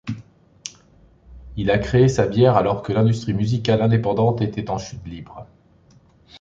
Il a créé sa bière alors que l'industrie musicale indépendante était en chute libre.